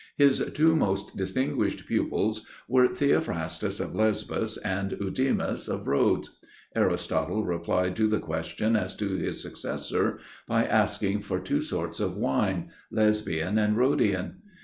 His two most distinguished pupils were Theophrastus of Lesbos and Eudemus of Rhodes. Aristotle replied to the question as to his successor by asking for two sorts of wine,—Lesbian and Rhodian.